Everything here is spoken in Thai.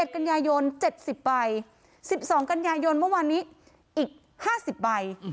๑กันยายน๗๐ใบ๑๒กันยายนเมื่อวานนี้อีก๕๐ใบ